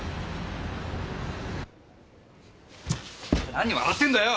なに笑ってんだよ！